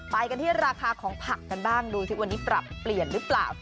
ไปกันที่ราคาของผักกันบ้างดูสิวันนี้ปรับเปลี่ยนหรือเปล่า